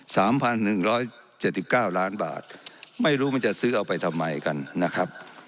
สามพันหนึ่งร้อยเจ็ดสิบเก้าล้านบาทไม่รู้มันจะซื้อเอาไปทำไมกันนะครับ